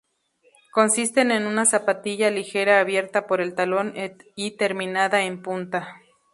Consisten en una zapatilla ligera abierta por el talón y terminada en punta.